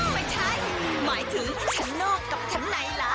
ไม่ใช่หมายถึงชั้นนอกกับชั้นในล่ะ